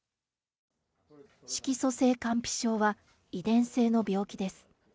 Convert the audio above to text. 色素性乾皮症は遺伝性の病気です。